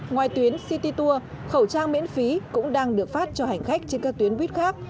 ngoài tuyến city tour khẩu trang miễn phí cũng đang được phát cho hành khách trên các tuyến buýt khác